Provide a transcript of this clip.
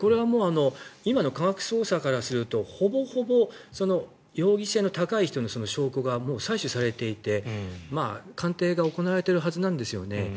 今の科学捜査からするとほぼほぼ容疑性の高い人への証拠がもう採取されていて、鑑定が行われているはずなんですよね。